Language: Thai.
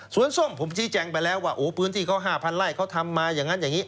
ส่วนส้มผมชี้แจงไปแล้วว่าโอ้พื้นที่เขา๕๐๐ไร่เขาทำมาอย่างนั้นอย่างนี้